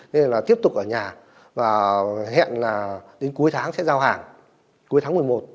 nên là tiếp tục ở nhà và hẹn là đến cuối tháng sẽ giao hàng cuối tháng một mươi một